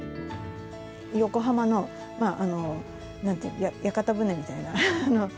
横浜の屋形船みたいな。